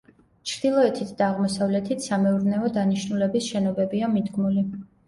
ჩრდილოეთით და აღმოსავლეთით სამეურნეო დანიშნულების შენობებია მიდგმული.